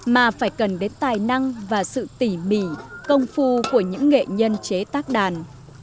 mà phải cần đến tài năng và sự tỉ mỉ công phu của những nghệ nhân chế tác đàn